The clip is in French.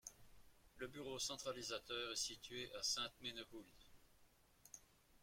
Le bureau centralisateur est situé à Sainte-Menehould.